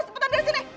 seperti di rumah saya